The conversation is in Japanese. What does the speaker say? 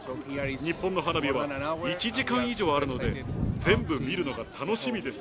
日本の花火は１時間以上あるので全部見るのが楽しみです。